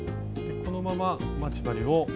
このまま待ち針を。